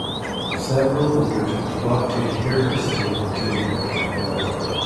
Several voters would flock to hear her sing during her campaign.